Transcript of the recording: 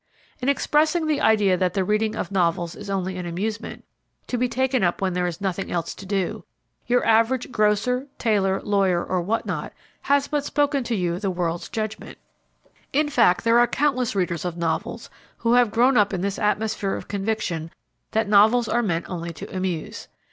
In expressing the idea that the reading of novels is only an amusement to be taken up when there is nothing else to do your average grocer, tailor, lawyer, or what not, has but spoken to you the world's judgment. In fact there are countless readers of novels who have grown up in this atmosphere of conviction that novels are meant only to amuse.